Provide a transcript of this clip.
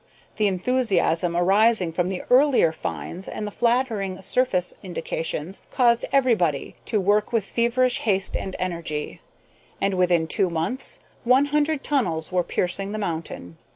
The enthusiasm arising from the earlier finds and the flattering surface indications caused everybody to work with feverish haste and energy, and within two months one hundred tunnels were piercing the mountain.